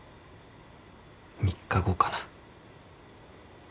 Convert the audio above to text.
３日後かな。